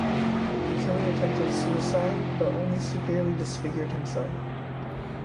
The killer attempted suicide, but only severely disfigured himself.